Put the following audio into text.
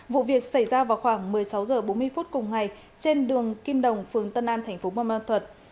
vụ việc xảy ra vào khoảng một mươi sáu h bốn mươi phút cùng ngày trên đường kim đồng phường tân an thành phố buôn ma thuật